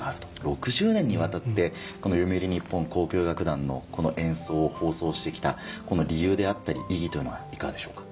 ６０年にわたって読売日本交響楽団の演奏を放送してきた理由であったり意義というのはいかがでしょうか？